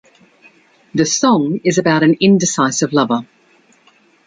The song is about an indecisive lover.